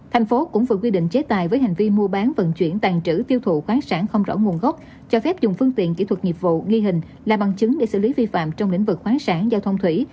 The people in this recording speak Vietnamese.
thành phố cũng vừa quy định chế tài với hành vi mua bán vận chuyển tàn trữ tiêu thụ khoáng sản không rõ nguồn gốc cho phép dùng phương tiện kỹ thuật nghiệp vụ ghi hình là bằng chứng để xử lý vi phạm trong lĩnh vực khoáng sản giao thông thủy